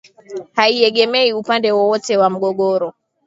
haiegemei upande wowote wa mgogoro